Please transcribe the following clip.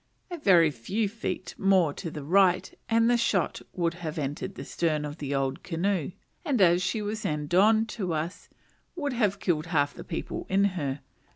A very few feet more to the right and the shot would have entered the stern of the canoe, and, as she was end on to us, would have killed half the people in her.